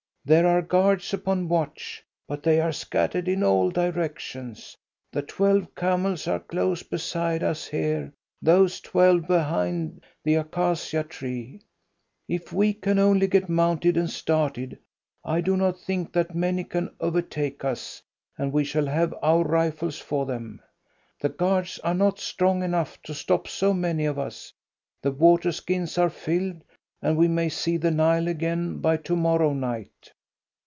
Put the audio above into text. There are guards upon watch, but they are scattered in all directions. The twelve camels are close beside us here those twelve behind the acacia tree. If we can only get mounted and started, I do not think that many can overtake us, and we shall have our rifles for them. The guards are not strong enough to stop so many of us. The water skins are all filled, and we may see the Nile again by to morrow night."